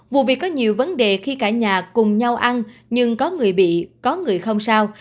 vụ việc có nhiều vấn đề khi cả nhà cùng nhau ăn nhưng có người bị có người không sao